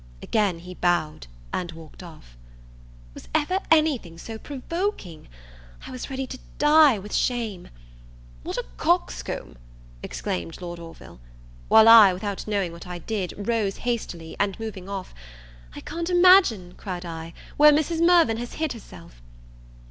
Again he bowed and walked off. Was ever any thing so provoking? I was ready to die with shame. "What a coxcomb!" exclaimed Lord Orville: while I, without knowing what I did, rose hastily, and moving off, "I can't imagine," cried I, "where Mrs. Mirvan has hid herself!"